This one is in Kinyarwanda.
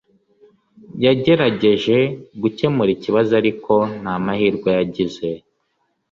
Yagerageje gukemura ikibazo ariko nta mahirwe yagize